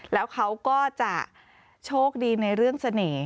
แล้วเขาก็จะโชคดีในเรื่องเสน่ห์